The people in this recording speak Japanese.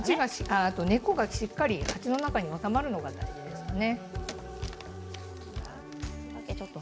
根っこがしっかり鉢の中に収まるのが大事ですね。